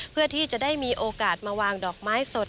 เพื่อที่จะได้มีโอกาสมาวางดอกไม้สด